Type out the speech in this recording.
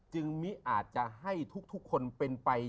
มิอาจจะให้ทุกคนเป็นไป